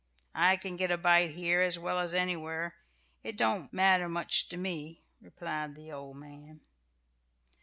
"I can get a bite here as well as anywhere. It don't matter much to me," replied the old man.